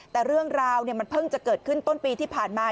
แต่เรื่องราวมันเพิ่งจะเกิดขึ้นต้นปีที่ผ่านมา